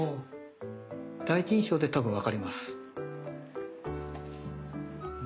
第一印象で多分わかります。